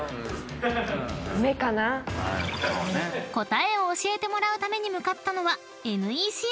［答えを教えてもらうために向かったのは］